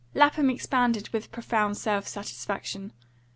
Lapham expanded with profound self satisfaction.